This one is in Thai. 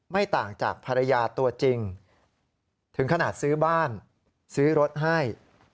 ไม่ต่างจากภรรยาตัวจริงถึงขนาดซื้อบ้านซื้อรถให้